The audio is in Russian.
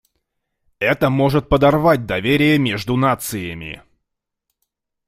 Это может подорвать доверие между нациями.